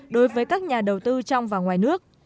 đối với các nhà đầu tư trong và ngoài nước